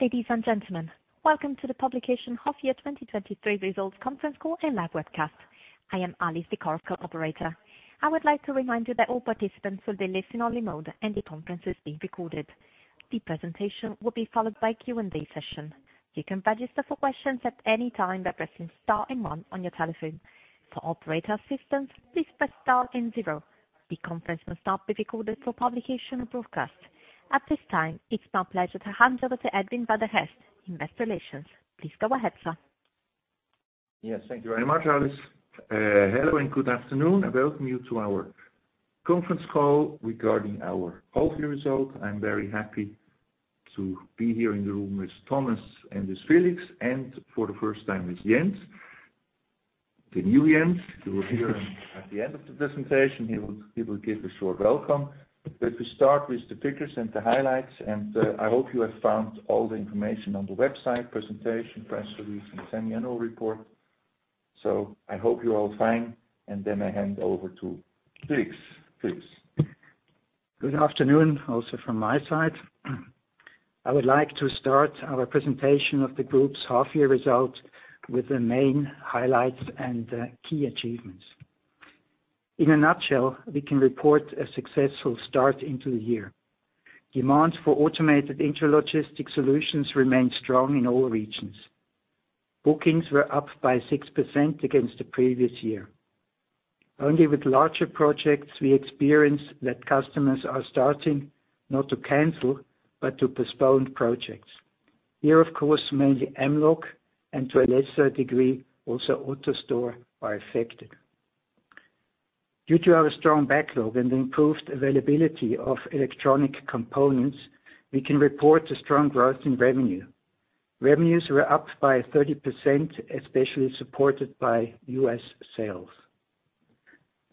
Ladies and gentlemen, welcome to the publication of Half Year 2023 Results Conference Call and live webcast. I am Alice, the corporate operator. I would like to remind you that all participants will be listening only mode, and the conference is being recorded. The presentation will be followed by Q&A session. You can register for questions at any time by pressing star and one on your telephone. For operator assistance, please press star and zero. The conference must not be recorded for publication or broadcast. At this time, it's my pleasure to hand over to Edwin van der Geest, Investor Relations. Please go ahead, sir. Yes, thank you very much, Alice. Hello, and good afternoon, and welcome you to our conference call regarding our half year result. I'm very happy to be here in the room with Thomas and this Felix, and for the first time, with Jens. The new Jens, who will be here at the end of the presentation, he will give a short welcome. To start with the figures and the highlights, and I hope you have found all the information on the website, presentation, press release, and the semi-annual report. I hope you're all fine, and then I hand over to Felix. Felix? Good afternoon, also from my side. I would like to start our presentation of the group's half-year result with the main highlights and key achievements. In a nutshell, we can report a successful start into the year. Demand for automated intralogistics solutions remained strong in all regions. Bookings were up by 6% against the previous year. Only with larger projects we experienced that customers are starting not to cancel, but to postpone projects. Here, of course, mainly Amlog and to a lesser degree, also AutoStore are affected. Due to our strong backlog and improved availability of electronic components, we can report a strong growth in revenue. Revenues were up by 30%, especially supported by US sales.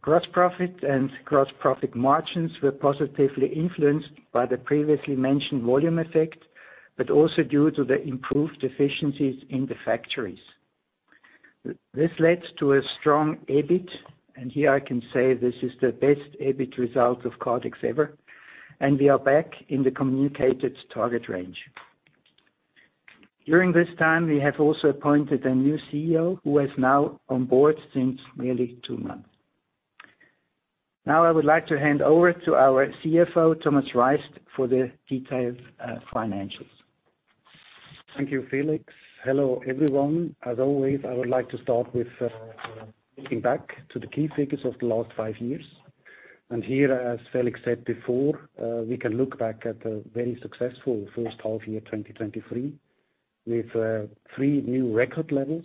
Gross profit and gross profit margins were positively influenced by the previously mentioned volume effect, but also due to the improved efficiencies in the factories. This led to a strong EBIT, and here I can say this is the best EBIT result of Kardex ever, and we are back in the communicated target range. During this time, we have also appointed a new CEO, who is now on board since nearly two months. Now, I would like to hand over to our CFO, Thomas Reist, for the detailed financials. Thank you, Felix. Hello, everyone. As always, I would like to start with looking back to the key figures of the last five years. Here, as Felix said before, we can look back at a very successful first half year, 2023, with three new record levels.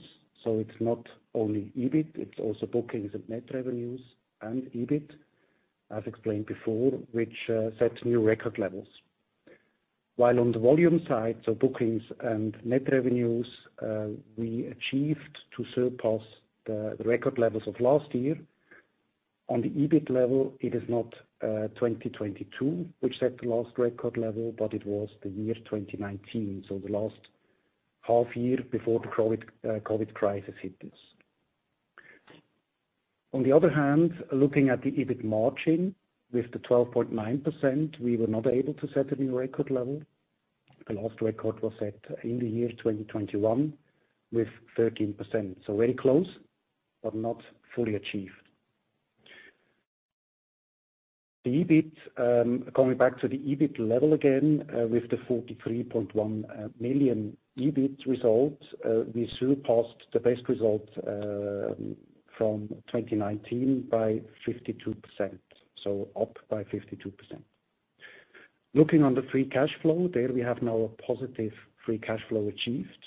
It's not only EBIT, it's also bookings of net revenues and EBIT, as explained before, which set new record levels. While on the volume side, so bookings and net revenues, we achieved to surpass the record levels of last year. On the EBIT level, it is not 2022, which set the last record level, but it was the year 2019, so the last half year before the COVID crisis hit us. Looking at the EBIT margin with the 12.9%, we were not able to set a new record level. The last record was set in the year 2021, with 13%. Very close, but not fully achieved. The EBIT, coming back to the EBIT level again, with the 43.1 million EBIT result, we surpassed the best result from 2019 by 52%, up by 52%. Looking on the free cash flow, there we have now a positive free cash flow achieved.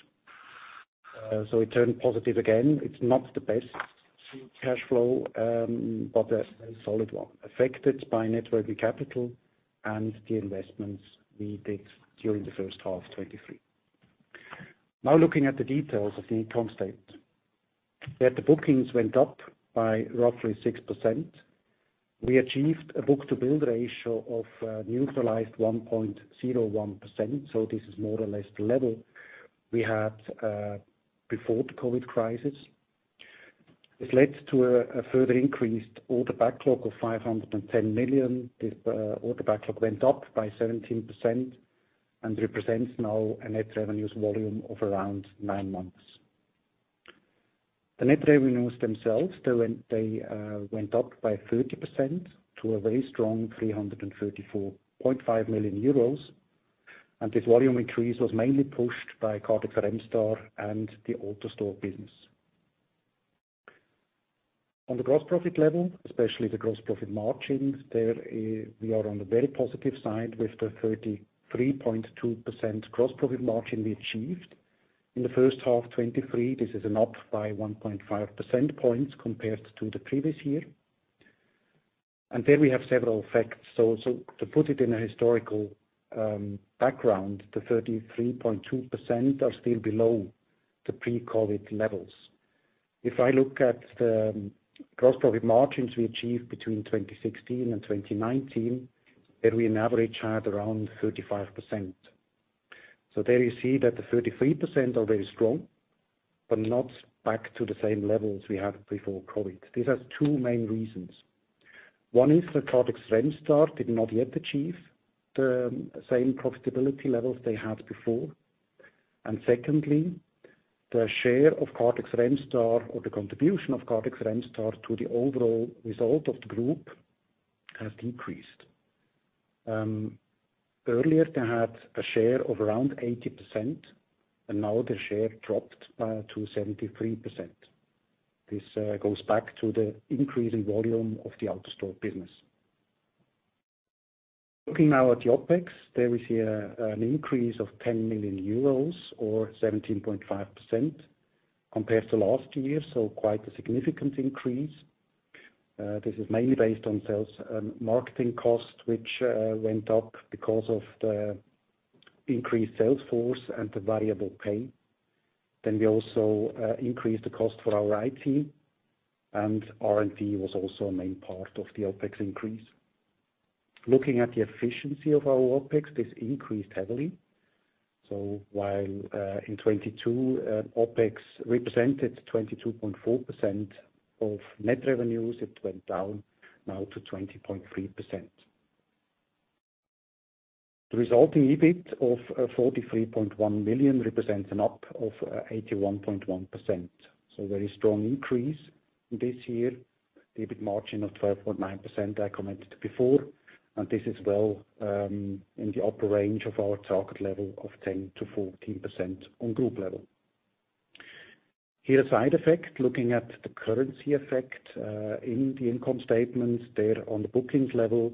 It turned positive again. It's not the best cash flow, but a solid one, affected by net working capital and the investments we did during the first half 2023. Looking at the details of the income statement. The bookings went up by roughly 6%. We achieved a book-to-bill ratio of neutralized 1.01%. This is more or less the level we had before the COVID crisis. This led to a further increased order backlog of 510 million. This order backlog went up by 17% and represents now a net revenues volume of around nine months. The net revenues themselves, they went up by 30% to a very strong 334.5 million euros. This volume increase was mainly pushed by Kardex Remstar and the AutoStore business. On the gross profit level, especially the gross profit margins, there we are on the very positive side with the 33.2% gross profit margin we achieved. In the first half, 2023, this is an up by 1.5 percentage points compared to the previous year. There we have several effects. To put it in a historical background, the 33.2% are still below the pre-COVID levels. If I look at the gross profit margins we achieved between 2016 and 2019, there we on average had around 35%. There you see that the 33% are very strong, but not back to the same levels we had before COVID. This has two main reasons. One is that Kardex Remstar did not yet achieve the same profitability levels they had before. Secondly, the share of Kardex Remstar or the contribution of Kardex Remstar to the overall result of the group has decreased. Earlier, they had a share of around 80%, and now the share dropped to 73%. This goes back to the increase in volume of the AutoStore business. Looking now at the OpEx, there we see an increase of 10 million euros, or 17.5% compared to last year, so quite a significant increase. This is mainly based on sales, marketing costs, which went up because of the increased sales force and the variable pay. We also increased the cost for our IT, and R&D was also a main part of the OpEx increase. Looking at the efficiency of our OpEx, this increased heavily. While in 2022, OpEx represented 22.4% of net revenues, it went down now to 20.3%. The resulting EBIT of 43.1 million represents an up of 81.1%. Very strong increase this year. EBIT margin of 12.9%, I commented before, this is well in the upper range of our target level of 10%-14% on group level. Here, a side effect, looking at the currency effect in the income statement, there on the bookings level,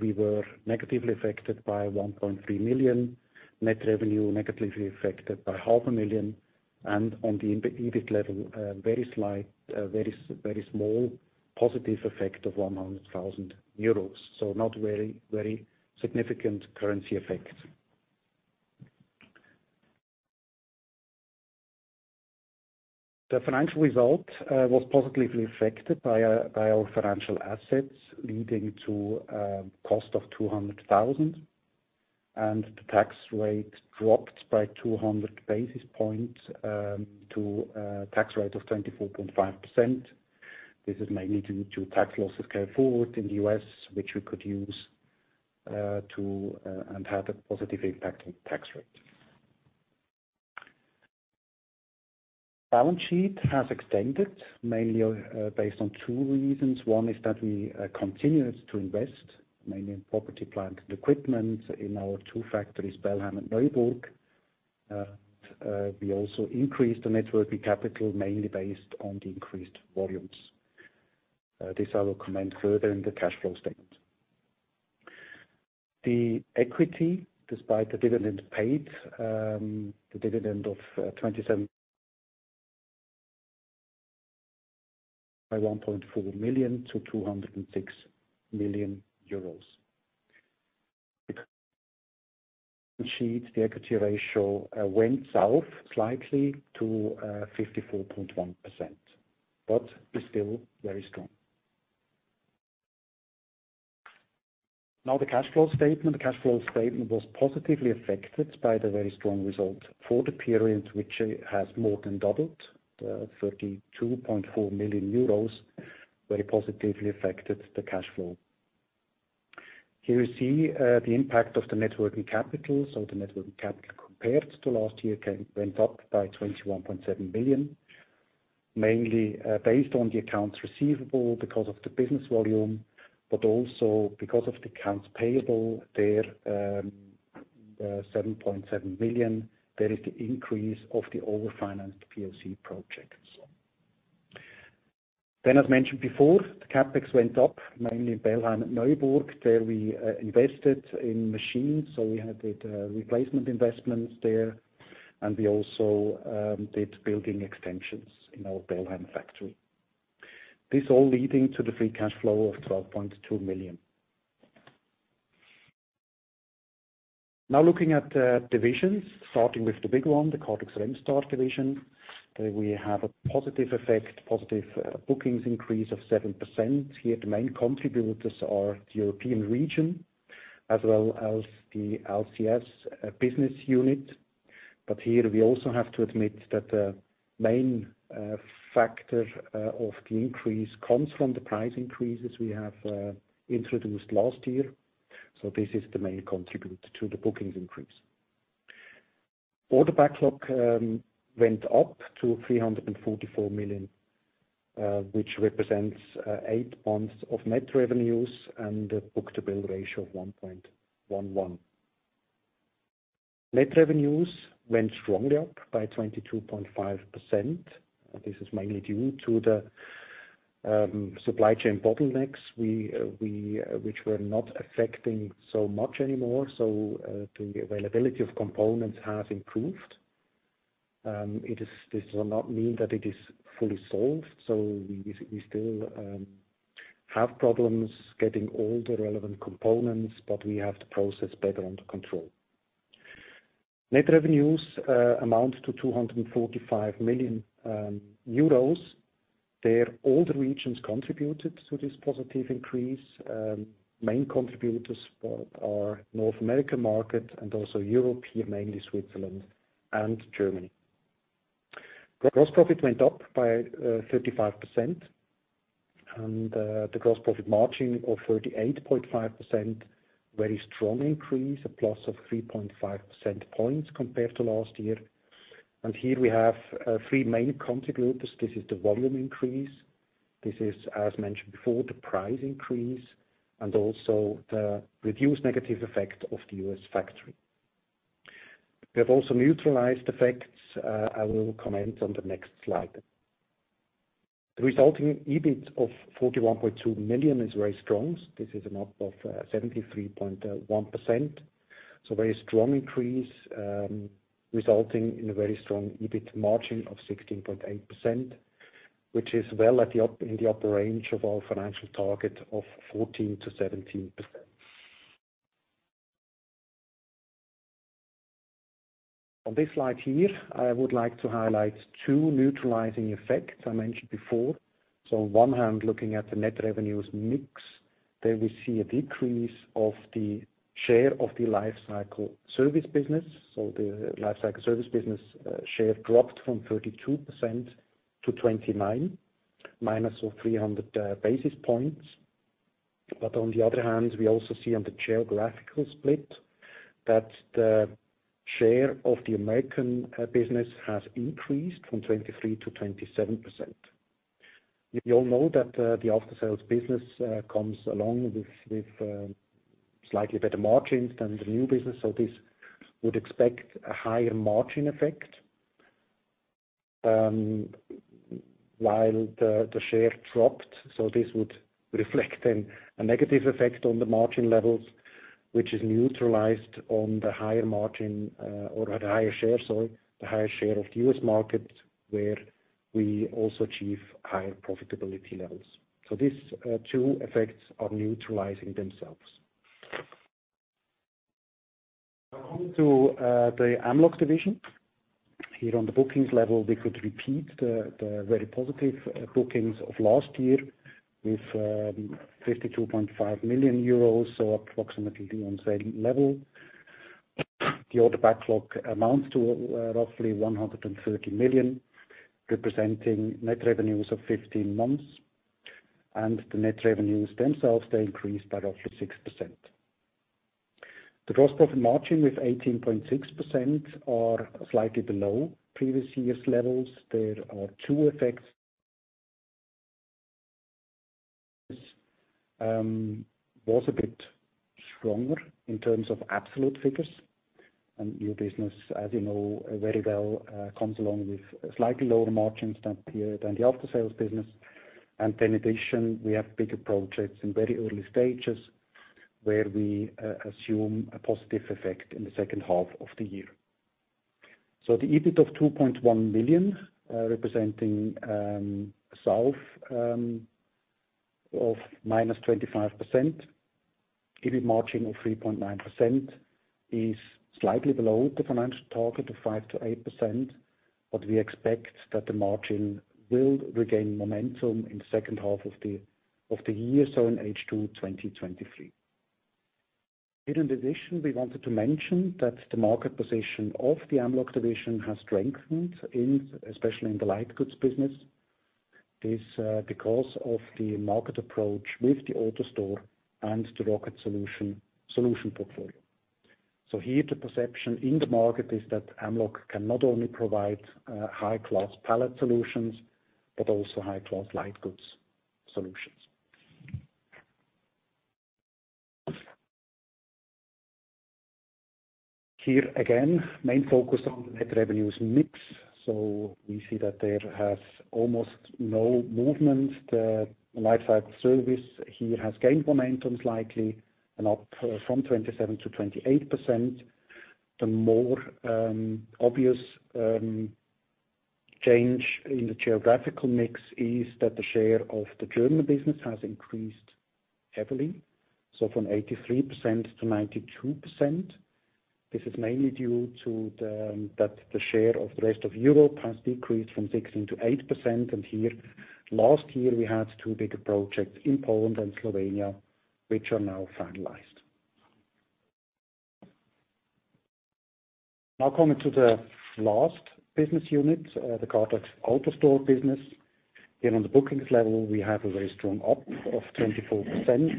we were negatively affected by 1.3 million. Net revenue, negatively affected by 500,000, on the EBIT level, a very small positive effect of 100,000 euros, not very significant currency effect. The financial result was positively affected by our financial assets, leading to cost of 200,000. The tax rate dropped by 200 basis points to a tax rate of 24.5%. This is mainly due to tax losses going forward in the U.S., which we could use to and have a positive impact on tax rate. Balance sheet has extended, mainly based on two reasons. One is that we continue to invest, mainly in property, plant, and equipment in our two factories, Bellheim and Neuburg. We also increased the net working capital, mainly based on the increased volumes. This I will comment further in the cash flow statement. The equity, despite the dividend paid, the dividend of 1.4 million-EUR 206 million. The sheet, the equity ratio, went south slightly to 54.1%, but is still very strong. Now, the cash flow statement. The cash flow statement was positively affected by the very strong result for the period, which has more than doubled. The 32.4 million euros very positively affected the cash flow. Here you see the impact of the net working capital, so the net working capital compared to last year went up by 21.7 billion, mainly based on the accounts receivable because of the business volume, but also because of the accounts payable there, 7.7 billion. There is the increase of the over-financed POC projects. As mentioned before, the CapEx went up, mainly in Bellheim and Neuburg, where we invested in machines, so we had the replacement investments there, and we also did building extensions in our Bellheim factory. This all leading to the free cash flow of 12.2 million. Looking at the divisions, starting with the big one, the Kardex Remstar division, we have a positive effect, positive bookings increase of 7%. Here, the main contributors are the European region as well as the LCS business unit. Here, we also have to admit that the main factor of the increase comes from the price increases we have introduced last year. This is the main contributor to the bookings increase. Order backlog went up to 344 million, which represents eight months of net revenues and a book-to-bill ratio of 1.11. Net revenues went strongly up by 22.5%. This is mainly due to the supply chain bottlenecks. Which were not affecting so much anymore, the availability of components has improved. This will not mean that it is fully solved, we still have problems getting all the relevant components, but we have the process better under control. Net revenues amount to 245 million euros. There, all the regions contributed to this positive increase. Main contributors are North American market and also European, mainly Switzerland and Germany. Gross profit went up by 35%, and the gross profit margin of 38.5%, very strong increase, a plus of 3.5 percentage points compared to last year. Here we have three main contributors. This is the volume increase. This is, as mentioned before, the price increase, and also the reduced negative effect of the U.S. factory. We have also neutralized effects. I will comment on the next slide. The resulting EBIT of 41.2 million is very strong. This is an up of 73.1%. Very strong increase, resulting in a very strong EBIT margin of 16.8%, which is well in the upper range of our financial target of 14%-17%. On this slide here, I would like to highlight two neutralizing effects I mentioned before. On one hand, looking at the net revenues mix, there we see a decrease of the share of the life cycle service business. The life cycle service business share dropped from 32% -29%, minus of 300 basis points. On the other hand, we also see on the geographical split, that the share of the American business has increased from 23% -27%. You all know that the after sales business comes along with slightly better margins than the new business, so this would expect a higher margin effect. While the share dropped, so this would reflect then a negative effect on the margin levels, which is neutralized on the higher margin, or the higher share, so the higher share of the U.S. market, where we also achieve higher profitability levels. These two effects are neutralizing themselves. Coming to the Amlog division. Here on the bookings level, we could repeat the very positive bookings of last year with 52.5 million euros, so approximately on same level. The order backlog amounts to roughly 130 million, representing net revenues of 15 months. The net revenues themselves, they increased by roughly 6%. The gross profit margin with 18.6% are slightly below previous year's levels. There are two effects. Was a bit stronger in terms of absolute figures, new business, as you know, very well, comes along with slightly lower margins than the after sales business. In addition, we have bigger projects in very early stages, where we assume a positive effect in the second half of the year. The EBIT of 2.1 million, representing south of -25%, EBIT margin of 3.9% is slightly below the financial target of 5%-8%, we expect that the margin will regain momentum in the second half of the year, so in H2-2023. Here, in addition, we wanted to mention that the market position of the Amlog division has strengthened especially in the light goods business. This because of the market approach with the AutoStore and the Rocket Solutions, solution portfolio. Here, the perception in the market is that Amlog can not only provide high-class pallet solutions, but also high-class light goods solutions. Here, again, main focus on the net revenues mix, so we see that there has almost no movement. The Life Cycle Services here has gained momentum, slightly, and up from 27%-28%. The more obvious change in the geographical mix is that the share of the German business has increased heavily, from 83%-92%. This is mainly due to the that the share of the rest of Europe has decreased from 16%-8%. Here last year, we had two bigger projects in Poland and Slovenia, which are now finalized. Coming to the last business unit, the Kardex AutoStore business. Here on the bookings level, we have a very strong up of 24%,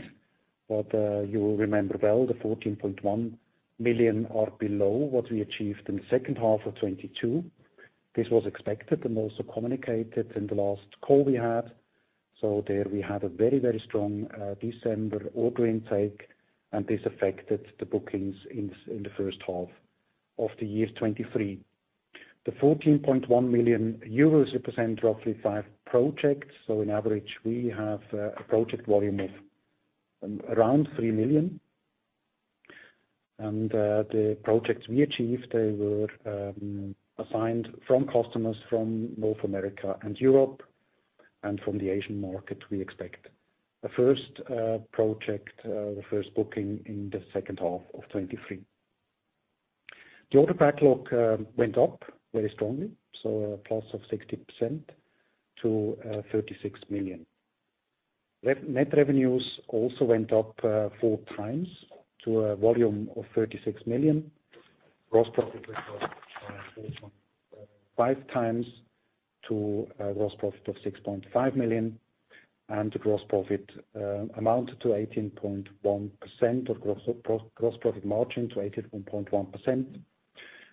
you will remember well, the 14.1 million are below what we achieved in the second half of 2022. This was expected and also communicated in the last call we had. There we had a very strong December order intake, and this affected the bookings in the first half of the year 2023. The 14.1 million euros represent roughly five projects. In average, we have a project volume of around 3 million. The projects we achieved, they were assigned from customers from North America and Europe, and from the Asian market, we expect. The first project, the first booking in the second half of 2023. The order backlog went up very strongly, so a plus of 60% to 36 million. Net, net revenues also went up 4 times to a volume of 36 million. Gross profit was 5 times to a gross profit of 6.5 million, and the gross profit amounted to 18.1% of gross, gross profit margin to 18.1%.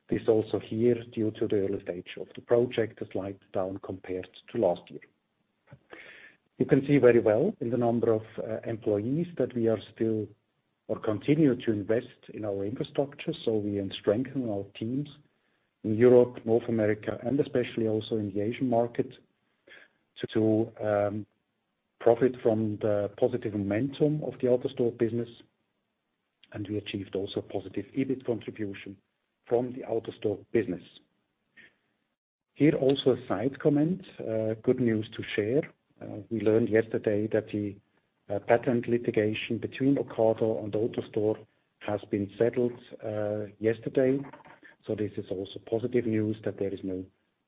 This also here, due to the early stage of the project, a slight down compared to last year. You can see very well in the number of employees, that we are still or continue to invest in our infrastructure. We strengthen our teams in Europe, North America, and especially also in the Asian market, to profit from the positive momentum of the AutoStore business. We achieved also a positive EBIT contribution from the AutoStore business. Here, also, a side comment, good news to share. We learned yesterday that the patent litigation between Ocado and AutoStore has been settled yesterday. This is also positive news that there is no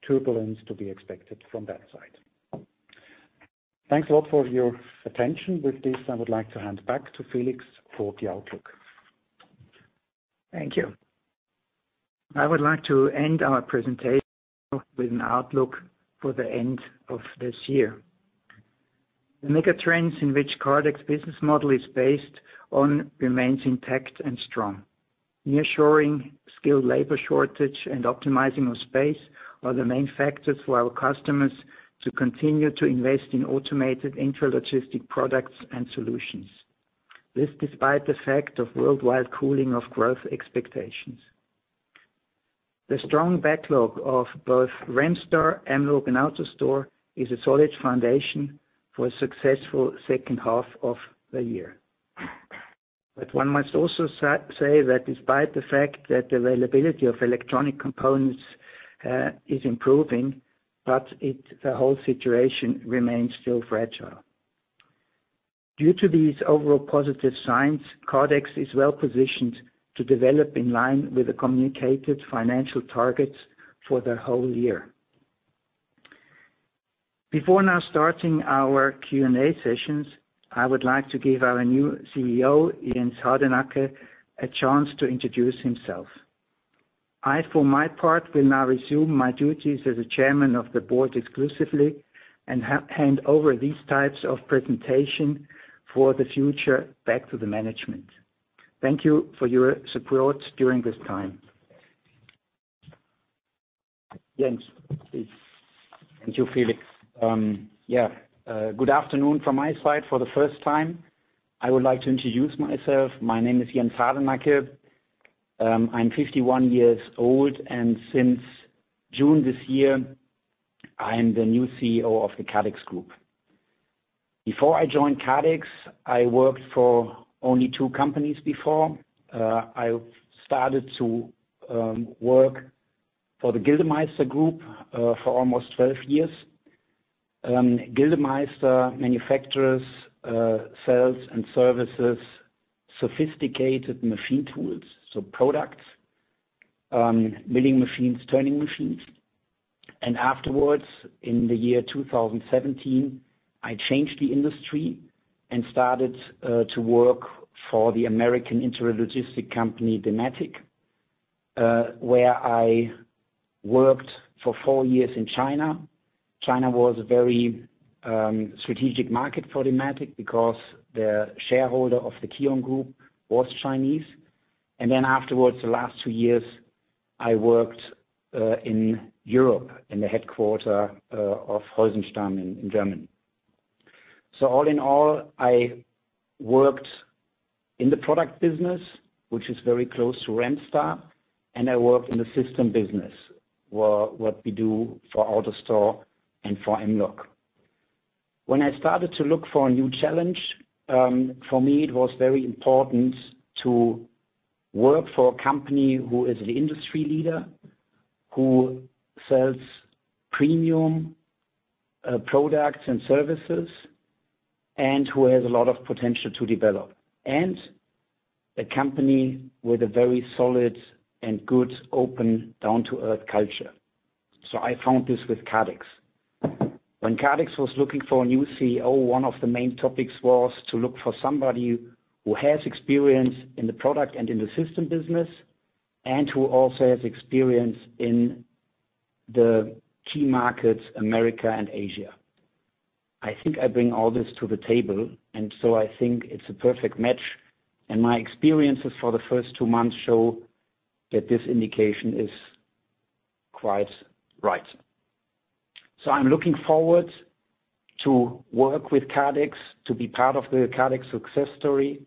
turbulence to be expected from that side. Thanks a lot for your attention. With this, I would like to hand back to Felix for the outlook. Thank you. I would like to end our presentation with an outlook for the end of this year. The mega trends in which Kardex business model is based on remains intact and strong. Nearshoring, skilled labor shortage, and optimizing of space are the main factors for our customers to continue to invest in automated intralogistic products and solutions. This despite the fact of worldwide cooling of growth expectations. The strong backlog of both Remstar, Mlog, and AutoStore is a solid foundation for a successful second half of the year. One must also say that despite the fact that the availability of electronic components is improving, the whole situation remains still fragile. Due to these overall positive signs, Kardex is well-positioned to develop in line with the communicated financial targets for the whole year. Before now starting our Q&A sessions, I would like to give our new CEO, Jens Hardenacke, a chance to introduce himself. I, for my part, will now resume my duties as a Chairman of the Board exclusively, and hand over these types of presentation for the future, back to the management. Thank you for your support during this time. Jens, please. Thank you, Felix. Good afternoon from my side. For the first time, I would like to introduce myself. My name is Jens Hardenacke. I'm 51 years old, and since June this year, I am the new CEO of the Kardex Group. Before I joined Kardex, I worked for only two companies before. I started to work for the Gildemeister Group for almost 12 years. Gildemeister manufactures sales and services, sophisticated machine tools, so products, milling machines, turning machines. Afterwards, in the year 2017, I changed the industry and started to work for the American intralogistic company, Dematic, where I worked for four years in China. China was a very strategic market for Dematic because the shareholder of the Kion Group was Chinese. Afterwards, the last two years, I worked in Europe, in the headquarter of Heusenstamm in Germany. All in all, I worked in the product business, which is very close to Remstar, and I worked in the system business, what we do for AutoStore and for Mlog. When I started to look for a new challenge, for me, it was very important to work for a company who is an industry leader, who sells premium products and services, and who has a lot of potential to develop, and a company with a very solid and good, open, down-to-earth culture. I found this with Kardex. When Kardex was looking for a new CEO, one of the main topics was to look for somebody who has experience in the product and in the system business, who also has experience in the key markets, America and Asia. I think I bring all this to the table, I think it's a perfect match, My experiences for the first two months show that this indication is quite right. I'm looking forward to work with Kardex, to be part of the Kardex success story,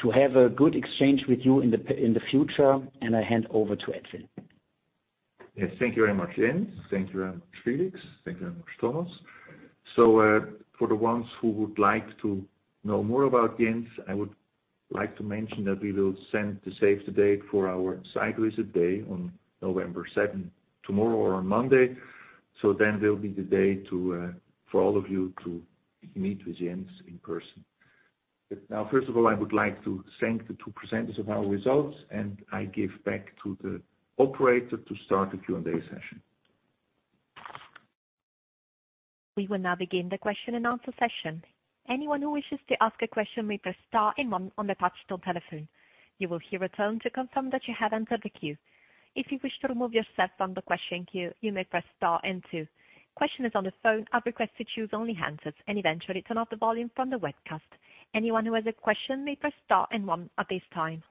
to have a good exchange with you in the future, I hand over to Edwin. Thank you very much, Jens. Thank you very much, Felix. Thank you very much, Thomas. For the ones who would like to know more about Jens, I would like to mention that we will send the save the date for our site visit day on November 7th, tomorrow or on Monday. There'll be the day to for all of you to meet with Jens in person. Now, first of all, I would like to thank the two presenters of our results, and I give back to the operator to start the Q&A session. We will now begin the question and answer session. Anyone who wishes to ask a question, may press star and one on the touchtone telephone. You will hear a tone to confirm that you have entered the queue. If you wish to remove yourself from the question queue, you may press star and two. Questioners on the phone are requested to use only hand sets and eventually turn off the volume from the webcast. Anyone who has a question may press star and one at this time.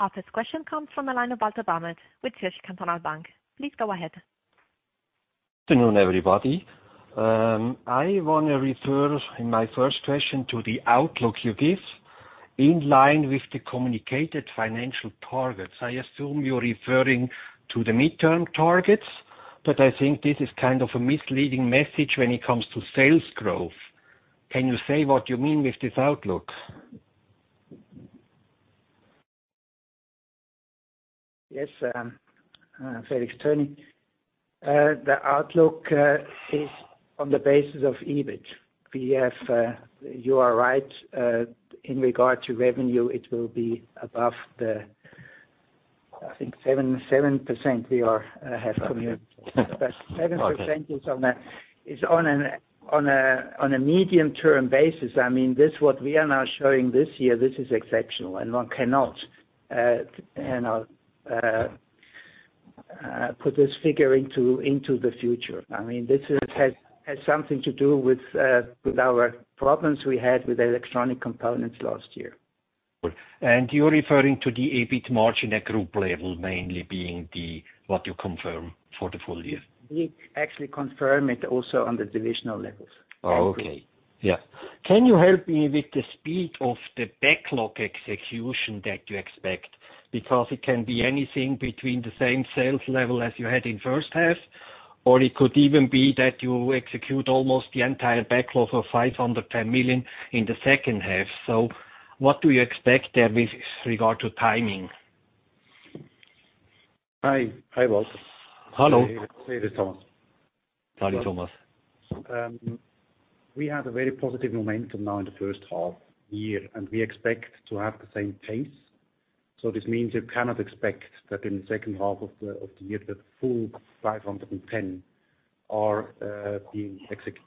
Our first question comes from the line of Walter Bamert with Zürcher Kantonalbank. Please go ahead. Good afternoon, everybody. I want to refer in my first question to the outlook you give in line with the communicated financial targets. I assume you're referring to the midterm targets, but I think this is kind of a misleading message when it comes to sales growth. Can you say what you mean with this outlook? Yes, Felix Thöni. The outlook is on the basis of EBIT. You are right, in regard to revenue, it will be above the, I think, 7% we are have committed. 7% is on a medium-term basis. I mean, this is what we are now showing this year, this is exceptional, and one cannot put this figure into the future. I mean, this has something to do with our problems we had with electronic components last year. You're referring to the EBIT margin at group level, mainly being the, what you confirm for the full year? We actually confirm it also on the divisional levels. Oh, okay. Yeah. Can you help me with the speed of the backlog execution that you expect? Because it can be anything between the same sales level as you had in first half, or it could even be that you execute almost the entire backlog of 510 million in the second half. What do you expect there with regard to timing? Hi, Walter. Hello. This is Thomas. Hi, Thomas. We had a very positive momentum now in the first half-year, we expect to have the same pace. This means you cannot expect that in the second half of the year, the full 510 are being executed.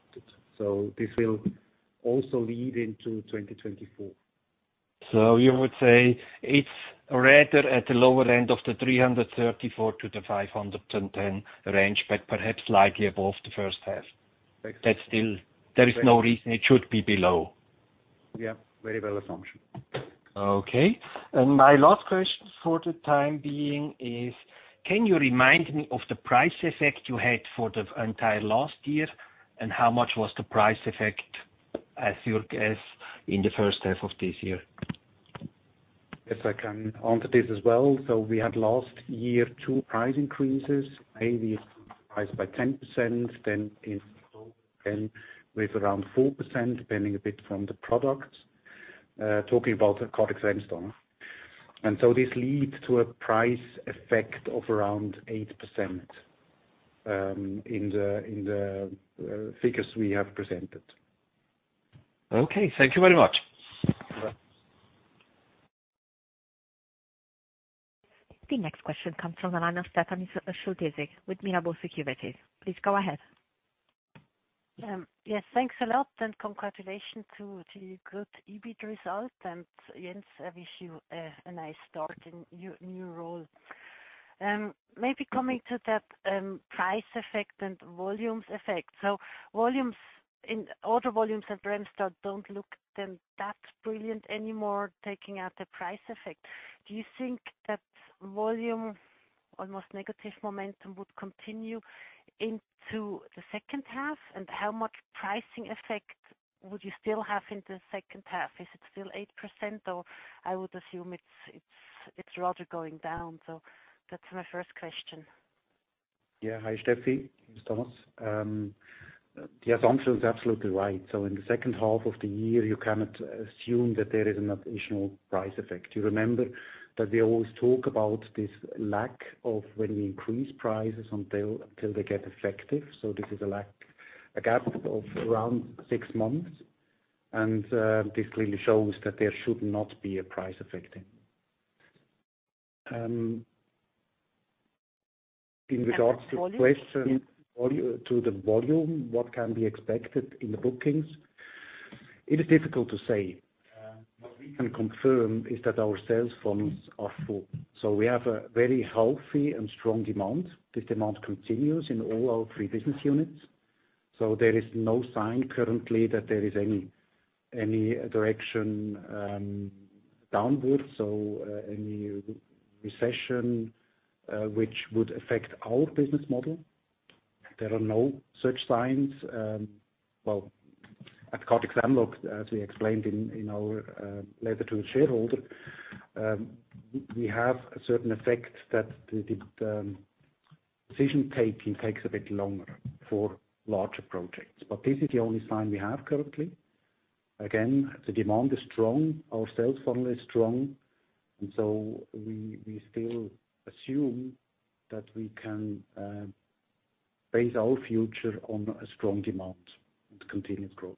This will also lead into 2024. You would say it's rather at the lower end of the 334 to the 510 range, but perhaps slightly above the first half. Exactly. There is no reason it should be below. Yeah, very well assumption. Okay. My last question for the time being is: Can you remind me of the price effect you had for the entire last year, and how much was the price effect, as your guess, in the first half of this year? If I can answer this as well. We had last year, two price increases, maybe priced by 10%, then in, then with around 4%, depending a bit from the products, talking about the Cortex Ramstein. This leads to a price effect of around 8% in the figures we have presented. Okay. Thank you very much. The next question comes from the line of Stephanie Scibor-Rylski, with Miha Security. Please go ahead. Yes, thanks a lot, and congratulations to the good EBIT result. Jens, I wish you a nice start in your new role. Maybe coming to that price effect and volumes effect. Order volumes at Ramstein don't look them that brilliant anymore, taking out the price effect. Do you think that volume, almost negative momentum, would continue into the second half? How much pricing effect would you still have in the second half? Is it still 8%, or I would assume it's rather going down. That's my first question. Hi, Stephanie. It's Thomas. The assumption is absolutely right. In the second half of the year, you cannot assume that there is an additional price effect. You remember that we always talk about this lack of when we increase prices until they get effective. This is a lack, a gap of around six months, and this clearly shows that there should not be a price effect then. In regards to question, the volume, what can be expected in the bookings? It is difficult to say. What we can confirm is that our sales funnels are full, we have a very healthy and strong demand. This demand continues in all our three business units, there is no sign currently that there is any direction downward. Any recession which would affect our business model, there are no such signs. At Cortex Lamarlock, as we explained in our letter to the shareholder, we have a certain effect that the decision-taking takes a bit longer for larger projects, but this is the only sign we have currently. Again, the demand is strong, our sales funnel is strong, we still assume that we can base our future on a strong demand and continued growth. ...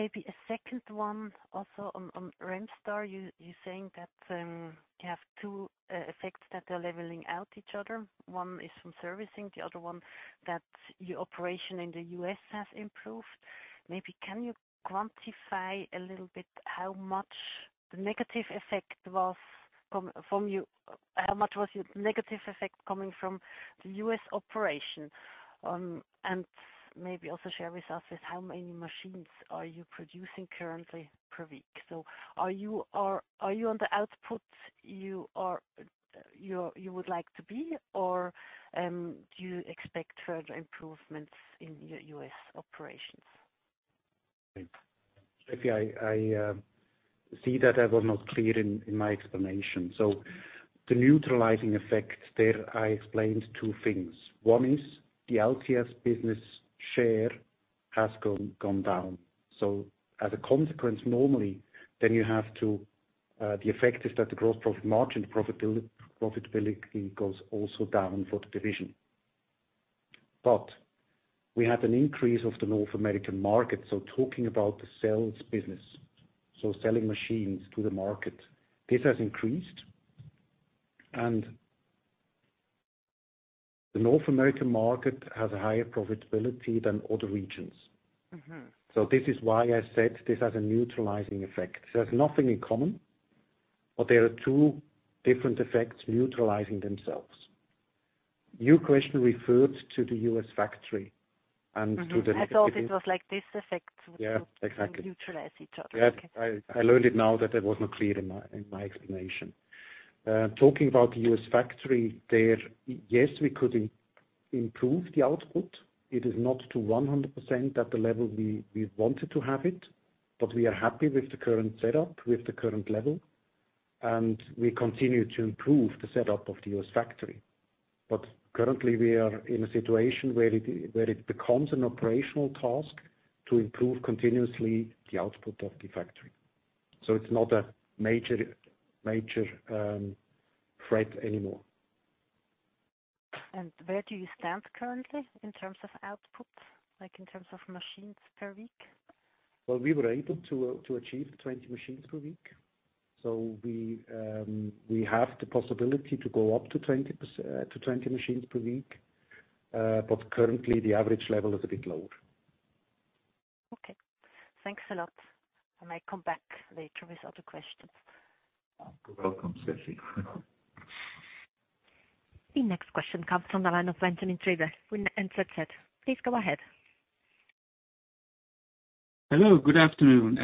maybe a second one also on Remstar. You're saying that you have two effects that are leveling out each other. One is from servicing, the other one, that your operation in the U.S. has improved. Maybe, can you quantify a little bit? How much was your negative effect coming from the U.S. operation? Maybe also share with us, how many machines are you producing currently per week? Are you on the output you would like to be, or do you expect further improvements in your U.S. operations? Okay. I see that I was not clear in my explanation. The neutralizing effect, there, I explained two things. One is the LTS business share has gone down. As a consequence, normally, then you have to, the effect is that the gross profit margin, profitability goes also down for the division. We had an increase of the North American market, so talking about the sales business, so selling machines to the market, this has increased. The North American market has a higher profitability than other regions. Mm-hmm. This is why I said this has a neutralizing effect. There's nothing in common, there are two different effects neutralizing themselves. Your question referred to the U.S. factory. Mm-hmm. I thought it was like this. Yeah, exactly. Neutralize each other. Yeah. I learned it now that I was not clear in my explanation. Talking about the U.S. factory there, yes, we could improve the output. It is not to 100% at the level we wanted to have it. We are happy with the current setup, with the current level, and we continue to improve the setup of the U.S. factory. Currently, we are in a situation where it becomes an operational task to improve continuously the output of the factory. It's not a major threat anymore. Where do you stand currently in terms of output, like, in terms of machines per week? We were able to achieve 20 machines per week. We have the possibility to go up to 20 machines per week, but currently, the average level is a bit lower. Okay. Thanks a lot. I might come back later with other questions. You're welcome, Stephanie. The next question comes from the line of Benjamin Heusel, with Helvea. Please go ahead. Hello, good afternoon,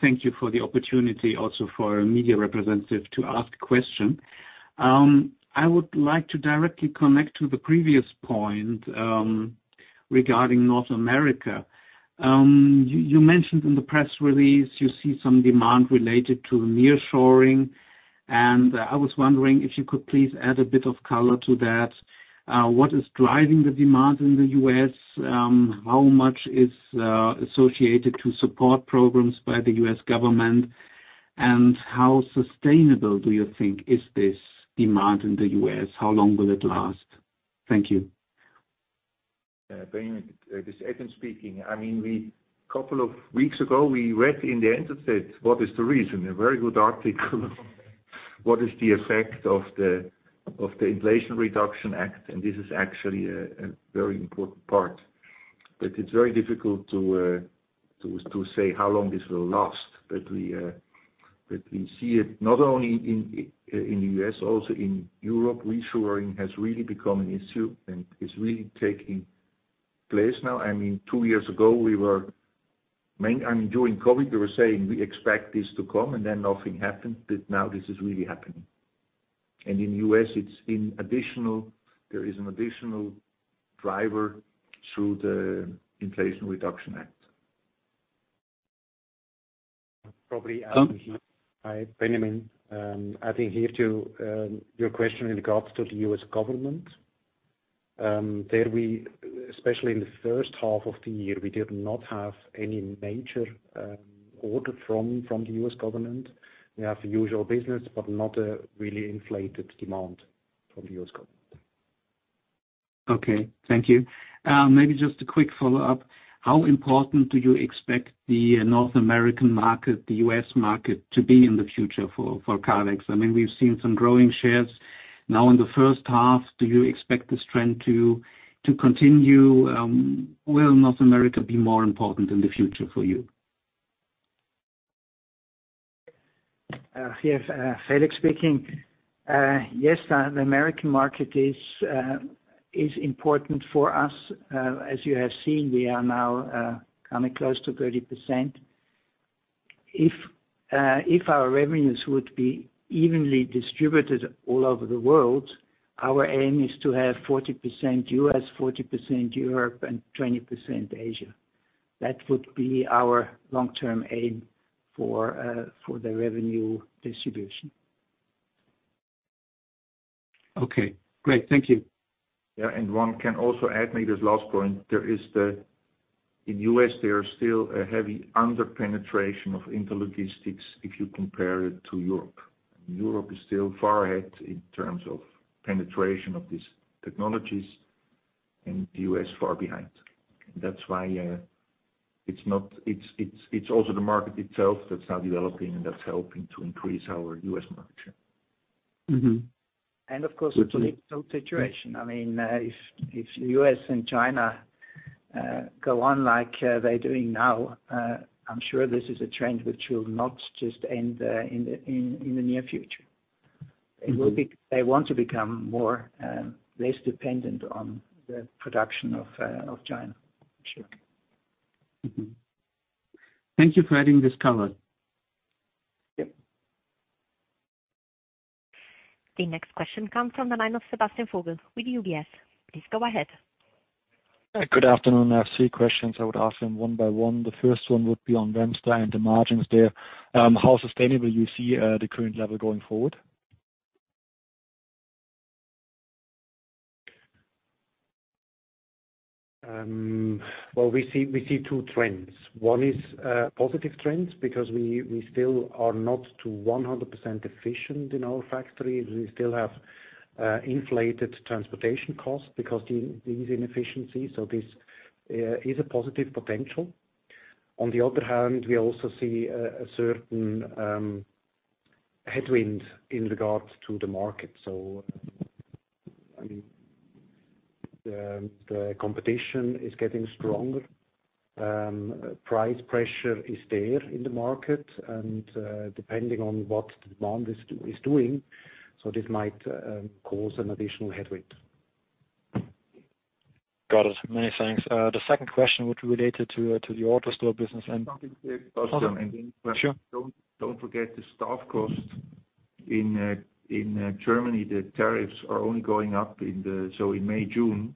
thank you for the opportunity also for a media representative to ask question. I would like to directly connect to the previous point regarding North America. You mentioned in the press release, you see some demand related to nearshoring, I was wondering if you could please add a bit of color to that. What is driving the demand in the U.S.? How much is associated to support programs by the U.S. government? How sustainable do you think is this demand in the U.S.? How long will it last? Thank you. Benjamin, this is Edwin speaking. I mean, couple of weeks ago, we read in the handset, what is the reason? A very good article. What is the effect of the Inflation Reduction Act, this is actually a very important part. It's very difficult to say how long this will last. We, but we see it not only in the U.S., also in Europe, reshoring has really become an issue, and it's really taking place now. I mean, two years ago, I mean, during COVID, we were saying: We expect this to come, and then nothing happened. Now this is really happening. In U.S., there is an additional driver through the Inflation Reduction Act. Probably, hi, Benjamin. Adding here to your question in regards to the U.S. government. There we, especially in the first half of the year, we did not have any major order from the U.S. government. We have the usual business, but not a really inflated demand from the U.S. government. Okay, thank you. Maybe just a quick follow-up. How important do you expect the North American market, the US market, to be in the future for Kardex? I mean, we've seen some growing shares now in the first half. Do you expect this trend to continue? Will North America be more important in the future for you? Yes, Felix speaking. Yes, the American market is important for us. As you have seen, we are now coming close to 30%. If our revenues would be evenly distributed all over the world, our aim is to have 40% U.S., 40% Europe, and 20% Asia. That would be our long-term aim for the revenue distribution. Okay, great. Thank you. Yeah, one can also add, maybe this last point, In U.S., there is still a heavy under-penetration of intralogistics if you compare it to Europe. Europe is still far ahead in terms of penetration of these technologies. U.S. far behind. That's why, it's not, it's also the market itself that's now developing and that's helping to increase our U.S. market share. Mm-hmm. Of course, it's a little situation. I mean, if U.S. and China go on like they're doing now, I'm sure this is a trend which will not just end in the near future. Mm-hmm. They want to become more, less dependent on the production of China. Sure. Mm-hmm. Thank you for having this covered. Yep. The next question comes from the line of Sebastian Vogel with UBS. Please go ahead. Good afternoon. I have three questions I would ask them one by one. The first one would be on Remstar and the margins there. How sustainable you see the current level going forward? Well, we see two trends. One is positive trends, because we still are not to 100% efficient in our factory. We still have inflated transportation costs because these inefficiencies, this is a positive potential. On the other hand, we also see a certain headwind in regards to the market. I mean, the competition is getting stronger. Price pressure is there in the market, and depending on what the demand is doing, this might cause an additional headwind. Got it. Many thanks. The second question would be related to, to the AutoStore business. Sure. Don't forget the staff costs in Germany, the tariffs are only going up in May, June.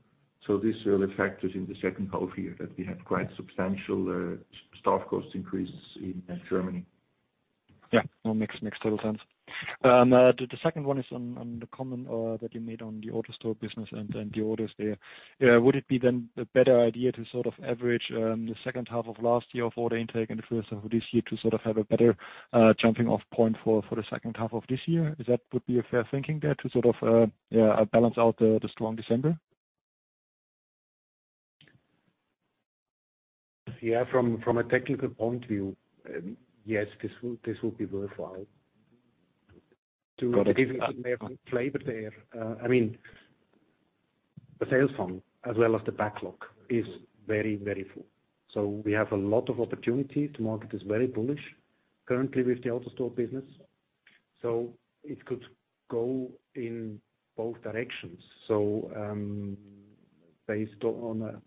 This will affect us in the second half year, that we have quite substantial staff cost increases in Germany. Well, makes total sense. The second one is on the comment that you made on the AutoStore business and the orders there. Would it be then a better idea to sort of average the second half of last year for order intake and the first half of this year to sort of have a better jumping off point for the second half of this year? Is that would be a fair thinking there, to sort of balance out the strong December? Yeah, from a technical point of view, yes, this would be worthwhile. Got it. To give you a flavor there, I mean, the sales fund, as well as the backlog, is very full. We have a lot of opportunity. The market is very bullish currently with the AutoStore business, so it could go in both directions. Based on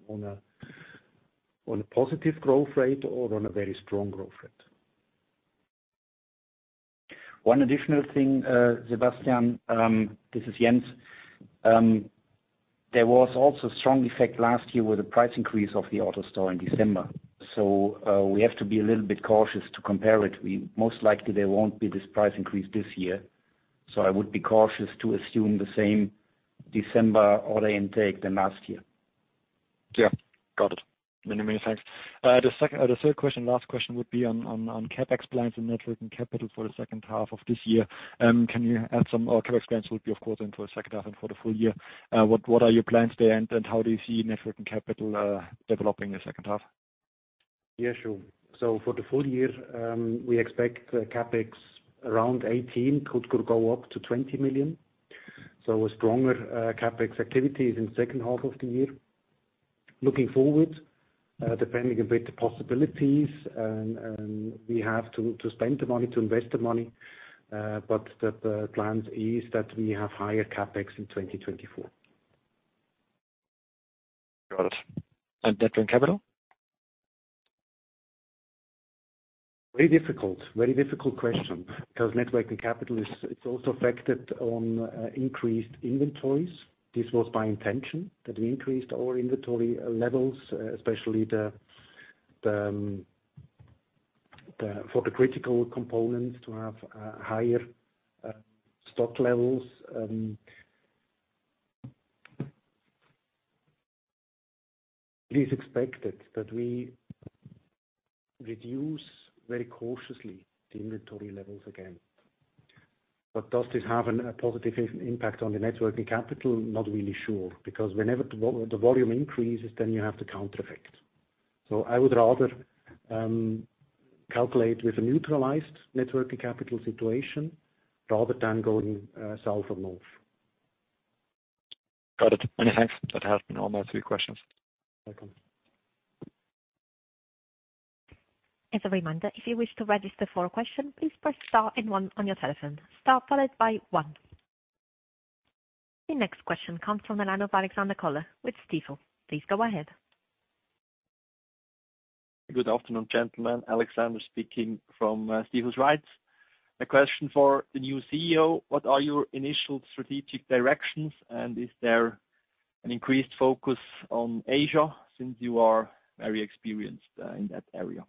a positive growth rate or on a very strong growth rate. One additional thing, Sebastian, this is Jens. There was also a strong effect last year with the price increase of the AutoStore in December. We have to be a little bit cautious to compare it. Most likely, there won't be this price increase this year, I would be cautious to assume the same December order intake than last year. Yeah. Got it. Many, many thanks. The second, the third question, last question would be on CapEx plans and net working capital for the second half of this year. CapEx plans would be, of course, then for the second half and for the full year. What are your plans there, and how do you see net working capital developing in the second half? Yeah, sure. For the full year, we expect the CapEx around 18 million, could go up to 20 million. A stronger CapEx activity is in second half of the year. Looking forward, depending a bit, the possibilities, and we have to spend the money, to invest the money, but the plan is that we have higher CapEx in 2024. Got it. Net working capital? Very difficult. Very difficult question, because net working capital is, it's also affected on, increased inventories. This was my intention, that we increased our inventory levels, especially the critical components to have, higher, stock levels. Please expect it, that we reduce very cautiously the inventory levels again. Does this have a positive impact on the net working capital? Not really sure, because whenever the volume increases, then you have the counter effect. I would rather, calculate with a neutralized net working capital situation, rather than going, south or north. Got it. Many thanks. That helps me. All my three questions. Welcome. As a reminder, if you wish to register for a question, please press star and one on your telephone. Star followed by one. The next question comes from the line of Alexander Koller with Stifel. Please go ahead. Good afternoon, gentlemen. Alexander speaking from Stifel. A question for the new CEO: What are your initial strategic directions, and is there an increased focus on Asia, since you are very experienced in that area?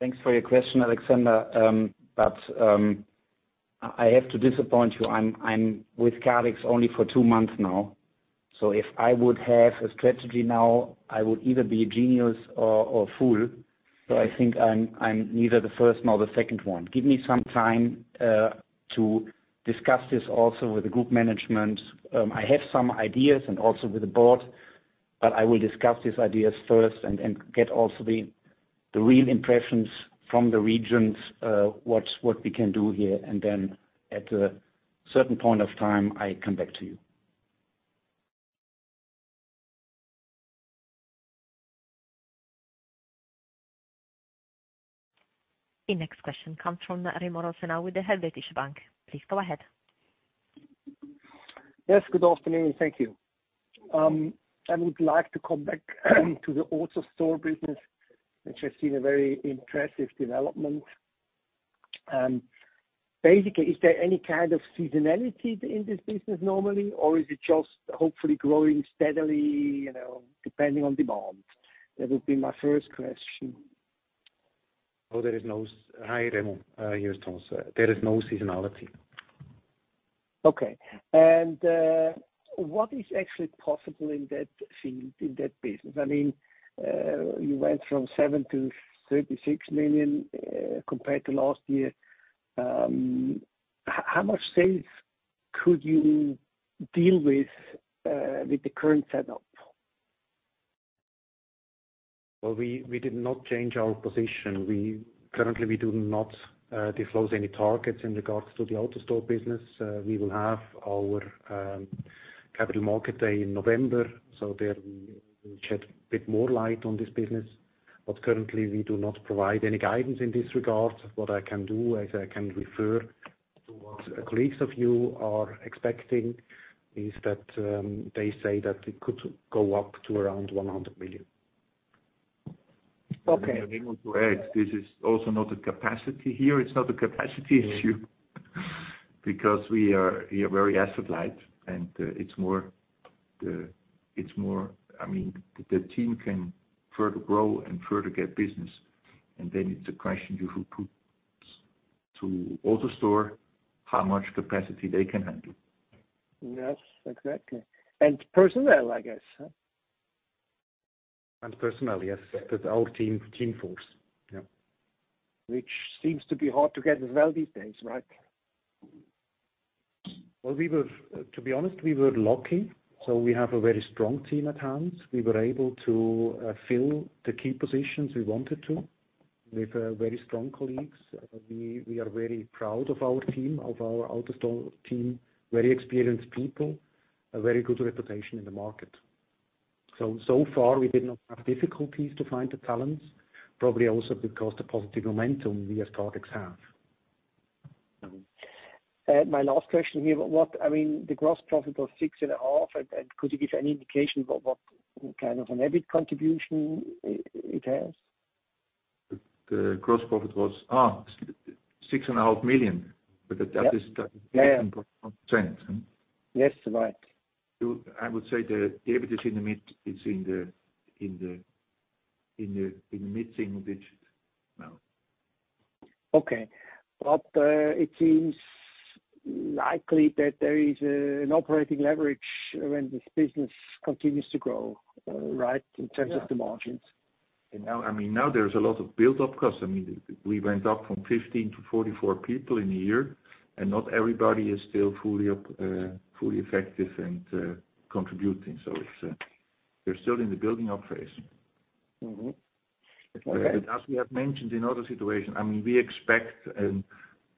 Thanks for your question, Alexander. I have to disappoint you. I'm with Calix only for two months now. If I would have a strategy now, I would either be a genius or fool. I think I'm neither the first nor the second one. Give me some time to discuss this also with the group management. I have some ideas, and also with the board, but I will discuss these ideas first and get also the real impressions from the regions, what we can do here, and then at a certain point of time, I come back to you. The next question comes from Remo Rosenau with the Helvetische Bank. Please go ahead. Yes, good afternoon. Thank you. I would like to come back to the AutoStore business, which has seen a very impressive development. Basically, is there any kind of seasonality in this business normally, or is it just hopefully growing steadily, you know, depending on demand? That would be my first question. Hi, Remo. Here's Thomas. There is no seasonality. Okay. What is actually possible in that field, in that business? I mean, you went from 7 million-36 million, compared to last year. How much sales could you deal with, with the current setup? Well, we did not change our position. Currently, we do not disclose any targets in regards to the AutoStore business. We will have our capital market day in November, so there we will shed a bit more light on this business. But currently, we do not provide any guidance in this regard. What I can do, is I can refer to what colleagues of you are expecting, is that they say that it could go up to around 100 million. Okay. I want to add, this is also not a capacity here. It's not a capacity issue, because we are very asset light, and it's more the, it's more... I mean, the team can further grow and further get business, and then it's a question you should put to AutoStore, how much capacity they can handle. Yes, exactly. Personnel, I guess, huh? Personnel, yes. That's our team force. Yeah. Which seems to be hard to get as well these days, right? To be honest, we were lucky. We have a very strong team at hand. We were able to fill the key positions we wanted to, with very strong colleagues. We are very proud of our team, of our AutoStore team, very experienced people, a very good reputation in the market. So far, we did not have difficulties to find the talents, probably also because the positive momentum we as Kardex have. My last question here, I mean, the gross profit of 6.5%, and could you give any indication about what kind of an EBIT contribution it has? The gross profit was 6.5 million. Yeah. Trend. Yes, right. I would say the EBIT is in the mid-single digit now. Okay. It seems likely that there is an operating leverage when this business continues to grow, right, in terms of the margins? Now, I mean, now there's a lot of build-up costs. I mean, we went up from 15 to 44 people in a year, and not everybody is still fully up, fully effective and, contributing. It's, we're still in the building-up phase. Mm-hmm. Okay. As we have mentioned in other situation, I mean, we expect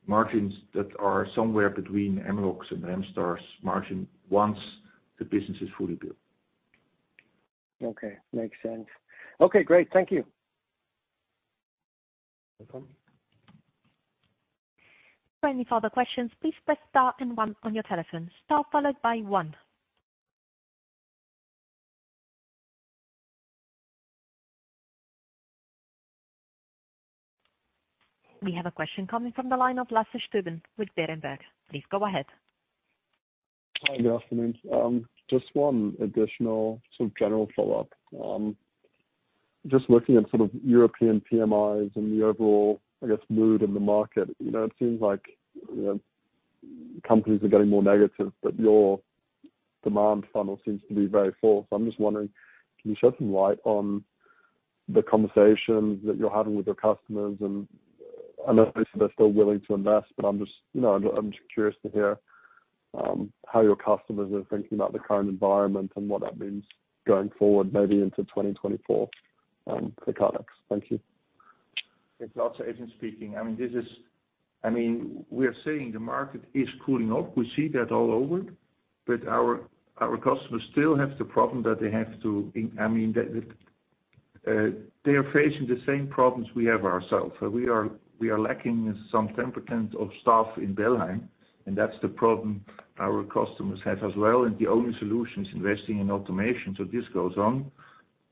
margins that are somewhere between Emerox and Muratec's margin, once the business is fully built. Okay, makes sense. Okay, great. Thank you. Welcome. For any further questions, please press star and one on your telephone. Star followed by one. We have a question coming from the line of Lasse Stueben with Berenberg. Please go ahead. Hi, good afternoon. Just one additional sort of general follow-up. Just looking at sort of European PMIs and the overall, I guess, mood in the market, you know, it seems like, you know, companies are getting more negative, but your demand funnel seems to be very full. I'm just wondering, can you shed some light on the conversations that you're having with your customers? I know they said they're still willing to invest, but I'm just, you know, I'm just curious to hear how your customers are thinking about the current environment and what that means going forward, maybe into 2024 for Kardex. Thank you. It's Lasse, Adrian speaking. We are saying the market is cooling off. We see that all over, but our customers still have the problem that they have to, that they are facing the same problems we have ourselves. We are lacking some temperament of staff in Berlin, and that's the problem our customers have as well, and the only solution is investing in automation. This goes on,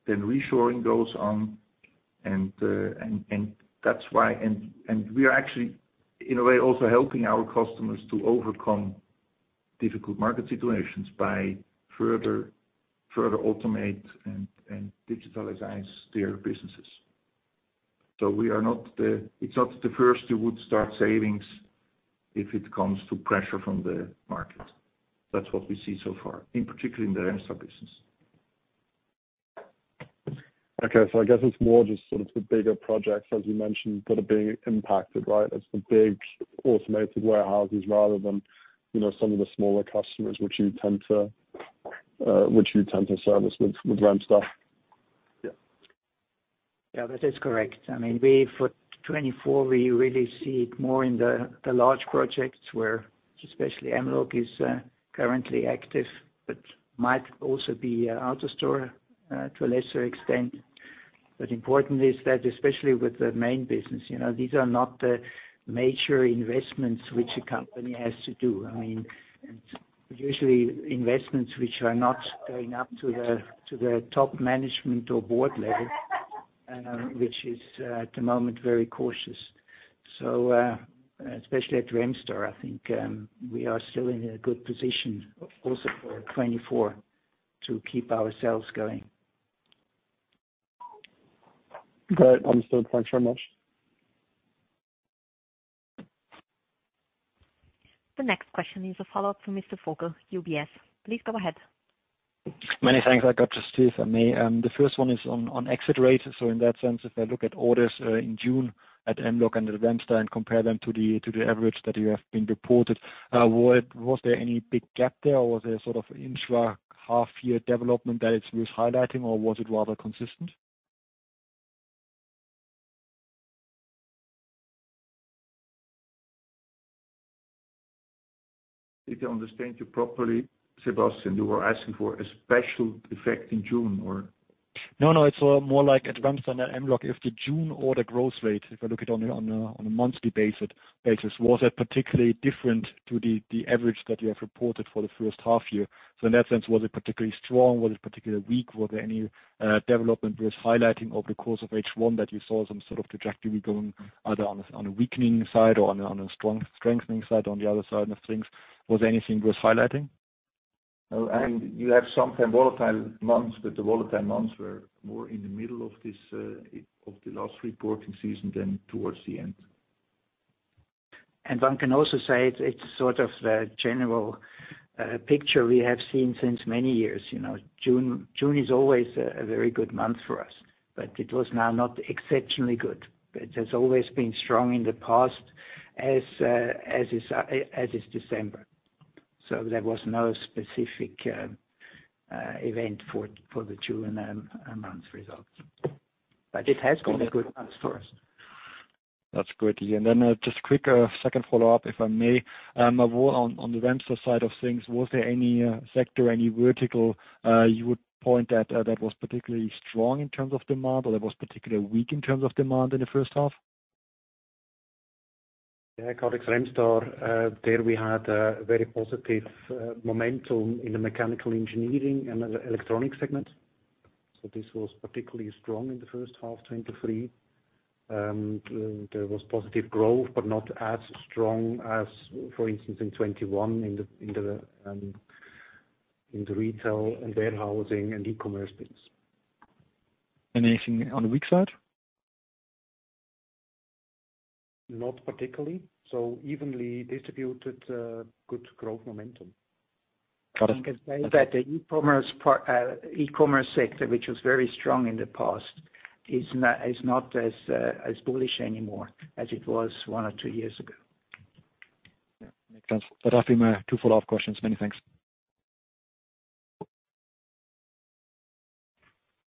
then reshoring goes on. That's why we are actually, in a way, also helping our customers to overcome difficult market situations by further automate and digitalize their businesses. We are not the first who would start savings- if it comes to pressure from the market. That's what we see so far, in particular, in the Kardex Remstar business. Okay. I guess it's more just sort of the bigger projects, as you mentioned, that are being impacted, right? It's the big automated warehouses rather than, you know, some of the smaller customers which you tend to service with Remstar. Yeah. Yeah, that is correct. I mean, we for 2024, we really see it more in the, the large projects where especially Mlog is currently active, but might also be AutoStore to a lesser extent. Important is that, especially with the main business, you know, these are not the major investments which a company has to do. I mean, it's usually investments which are not going up to the, to the top management or board level, which is at the moment, very cautious. Especially at Remstar, I think, we are still in a good position also for 2024 to keep ourselves going. Great. Understood. Thanks very much. The next question is a follow-up from Mr. Vogel, UBS. Please go ahead. Many thanks. I got just this, if I may. The first one is on exit rate. In that sense, if I look at orders in June at Mlog and at Remstar and compare them to the average that you have been reported, was there any big gap there, or was there sort of intra half year development that is worth highlighting, or was it rather consistent? If I understand you properly, Sebastian, you were asking for a special effect in June, or? No, no, it's more like at Remstar and Mlog, if the June order growth rate, if I look it on a monthly basis, was that particularly different to the average that you have reported for the first half year? In that sense, was it particularly strong? Was it particularly weak? Was there any development worth highlighting over the course of H1 that you saw some sort of trajectory going, either on a weakening side or on a strong strengthening side, on the other side of things? Was there anything worth highlighting? Oh, you have sometimes volatile months, but the volatile months were more in the middle of this, of the last reporting season than towards the end. One can also say it's sort of the general picture we have seen since many years. You know, June is always a very good month for us, but it was now not exceptionally good. It has always been strong in the past as is December. There was no specific event for the June month results. It has been a good month for us. That's great to hear. Just quick second follow-up, if I may. On the Remstar side of things, was there any sector, any vertical, you would point at, that was particularly strong in terms of demand, or that was particularly weak in terms of demand in the first half? Kardex Remstar, there we had a very positive momentum in the mechanical engineering and the electronic segment. This was particularly strong in the first half 2023. There was positive growth, not as strong as, for instance, in 2021, in the retail and warehousing and e-commerce business. Anything on the weak side? Not particularly. Evenly distributed, good growth momentum. Got it. I can say that the e-commerce part, e-commerce sector, which was very strong in the past, is not as bullish anymore as it was one or two years ago. Yeah, makes sense. That will be my two follow-up questions. Many thanks.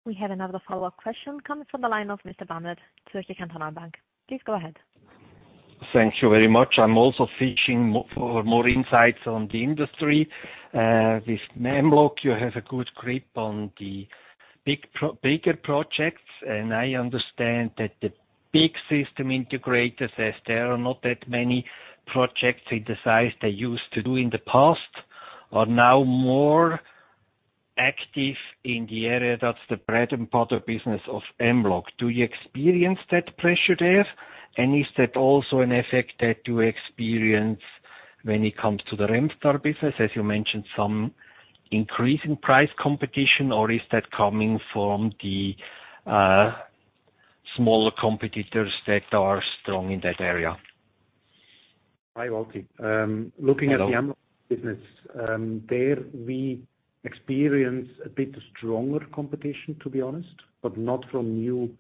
We have another follow-up question coming from the line of Mr. Bamert, Zürcher Kantonalbank. Please go ahead. Thank you very much. I'm also fishing for more insights on the industry. With Mlog, you have a good grip on the bigger projects, and I understand that the big system integrators, as there are not that many projects in the size they used to do in the past, are now more active in the area that's the bread and butter business of Mlog. Do you experience that pressure there? Is that also an effect that you experience when it comes to the Remstar business, as you mentioned, some increase in price competition, or is that coming from the smaller competitors that are strong in that area? Hi, Walter. Hello. Mlog business, there, we experience a bit stronger competition, to be honest, but not from new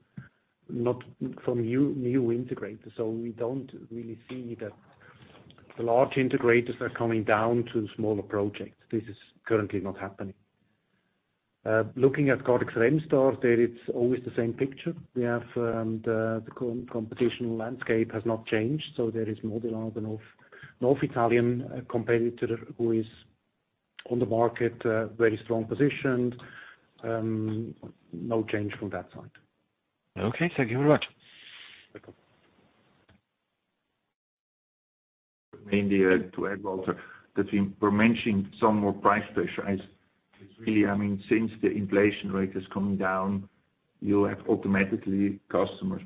integrators. We don't really see that the large integrators are coming down to smaller projects. This is currently not happening. Looking at Kardex Remstar, there it's always the same picture. We have, the competition landscape has not changed, there is more the line of North Italian competitor who is on the market, very strong positioned. No change from that side. Okay, thank you very much. Welcome. Maybe to add, Walter, that we, we're mentioning some more price pressure is really. I mean, since the inflation rate is coming down, you have automatically customers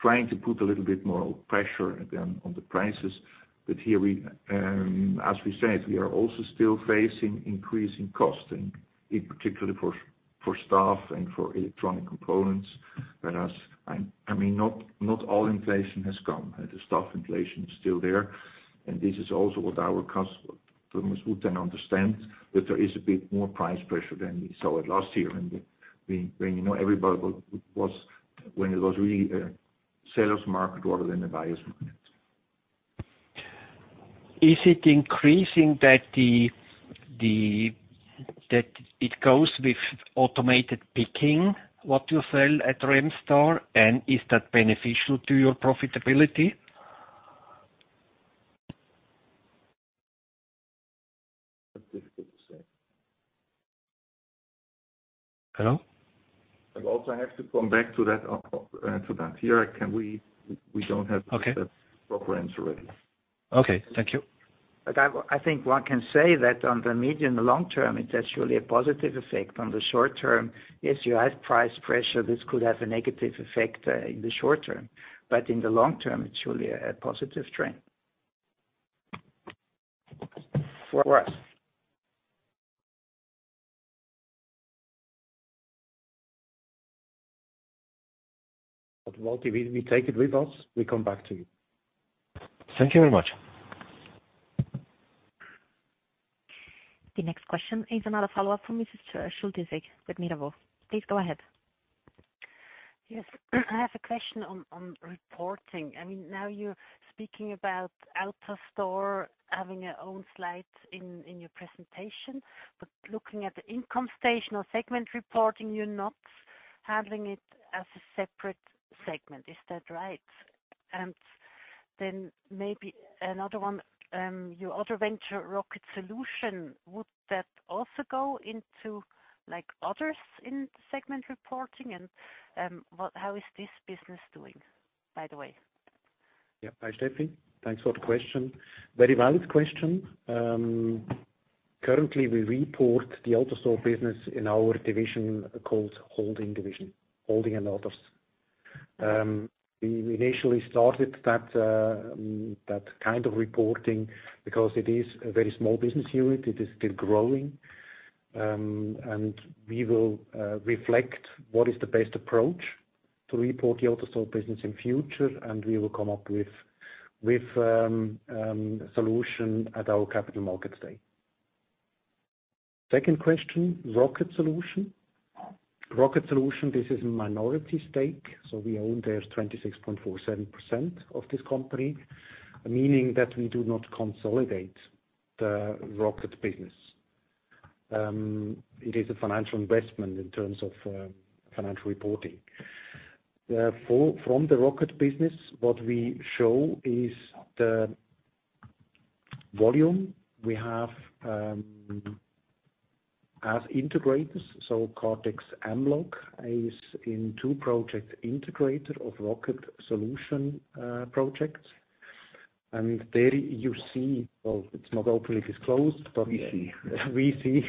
trying to put a little bit more pressure again, on the prices. Here we, as we said, we are also still facing increasing costs, and in particularly for staff and for electronic components. Whereas, I, I mean, not all inflation has gone. The staff inflation is still there, and this is also what our customers would then understand, that there is a bit more price pressure than we saw it last year. When, you know, when it was really a seller's market rather than a buyer's market. Is it increasing that it goes with automated picking, what you sell at Remstar, and is that beneficial to your profitability? That's difficult to say. Hello? I'll also have to come back to that, to that. Here, I can, we don't have. Okay. The proper answer ready. Okay, thank you. I think one can say that on the medium and the long term, it's actually a positive effect. On the short term, yes, you have price pressure, this could have a negative effect in the short term. In the long term, it's really a positive trend for us. Well, we take it with us, we come back to you. Thank you very much. The next question is another follow-up from Mrs. Schulthess with Mirabaud. Please go ahead. Yes. I have a question on reporting. I mean, now you're speaking about AutoStore having its own slide in your presentation, but looking at the income statement or segment reporting, you're not handling it as a separate segment. Is that right? Then maybe another one, your other venture, Rocket Solution, would that also go into, like, Others in the segment reporting? How is this business doing, by the way? Yeah. Hi, Stephanie. Thanks for the question. Very valid question. Currently, we report the AutoStore business in our division called Holding Division, Holding and Others. We initially started that kind of reporting, because it is a very small business unit. It is still growing. We will reflect what is the best approach to report the AutoStore business in future, and we will come up with a solution at our capital market stage. Second question, Rocket Solution. Rocket Solution, this is a minority stake, so we own there 26.47% of this company, meaning that we do not consolidate the Rocket business. It is a financial investment in terms of financial reporting. From the Rocket business, what we show is the volume we have as integrators. Kardex Mlog is in 2 project integrator of Rocket Solutions, projects. There you see. Well, it's not openly disclosed. We see. We see,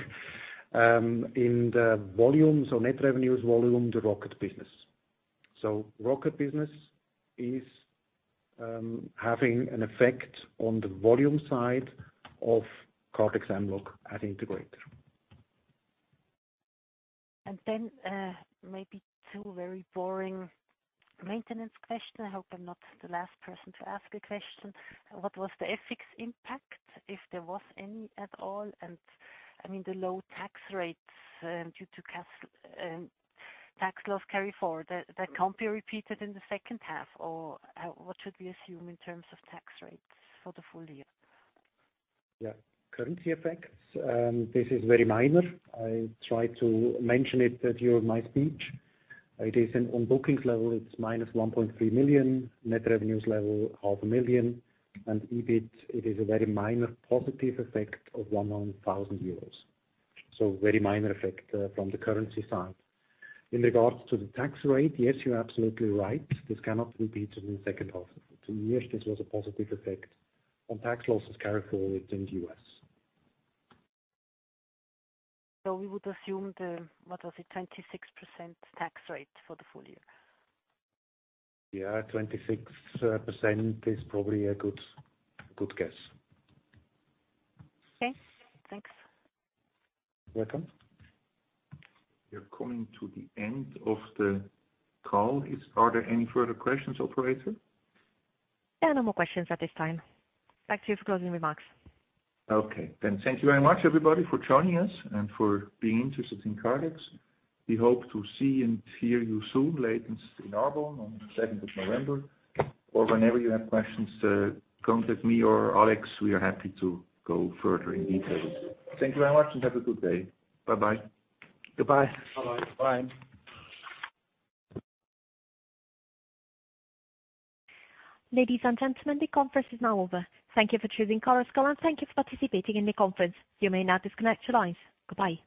in the volumes or net revenues volume, the Rocket business. Rocket business is, having an effect on the volume side of Kardex Mlog as integrator. Maybe 2 very boring maintenance question. I hope I'm not the last person to ask a question. What was the FX impact, if there was any at all? I mean, the low tax rates due to cash tax loss carry forward, that can't be repeated in the second half, or what should we assume in terms of tax rates for the full year? Yeah. Currency effects, this is very minor. I tried to mention it at the beginning of my speech. It is in, on bookings level, it's -1.3 million, net revenues level, 500,000, and EBIT, it is a very minor positive effect of 100,000 euros. Very minor effect from the currency side. In regards to the tax rate, yes, you're absolutely right. This cannot be repeated in the second half. Yes, this was a positive effect on tax losses carry forward in the U.S. We would assume the, what was it? 26% tax rate for the full year. Yeah, 26% is probably a good guess. Okay, thanks. Welcome. We are coming to the end of the call. Are there any further questions, operator? There are no more questions at this time. Back to you for closing remarks. Okay. Thank you very much, everybody, for joining us and for being interested in Kardex. We hope to see and hear you soon, later in Arbon on the 2nd of November, or whenever you have questions, contact me or Alex. We are happy to go further in detail. Thank you very much and have a good day. Bye-bye. Goodbye. Bye-bye. Bye. Ladies and gentlemen, the conference is now over. Thank you for choosing Chorus Call, and thank you for participating in the conference. You may now disconnect your lines. Goodbye.